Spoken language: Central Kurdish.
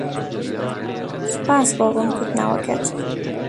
سوپاس بۆ ڕوونکردنەوەکەت.